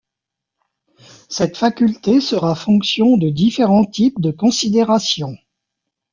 Cette faculté sera fonction de différents types de considérations.